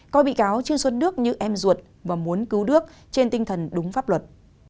coi bị cáo trương xuân đức như em ruột và muốn cứu đức trên tinh thần đúng pháp luật